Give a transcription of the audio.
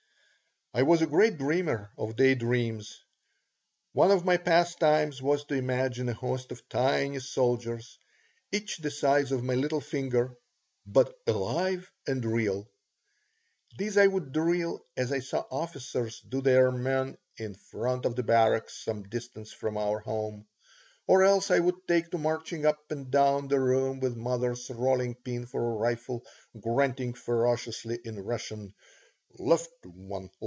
I was a great dreamer of day dreams. One of my pastimes was to imagine a host of tiny soldiers each the size of my little finger, "but alive and real." These I would drill as I saw officers do their men in front of the barracks some distance from our home. Or else I would take to marching up and down the room with mother's rolling pin for a rifle, grunting, ferociously, in Russian: "Left one!